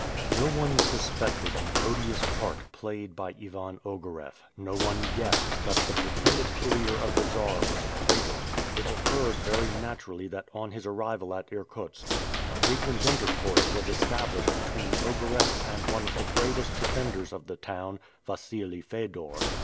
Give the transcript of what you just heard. No one suspected the odious part played by Ivan Ogareff; no one guessed that the pretended courier of the Czar was a traitor. It occurred very naturally that on his arrival in Irkutsk, a frequent intercourse was established between Ogareff and one of the bravest defenders of the town, Wassili Fedor.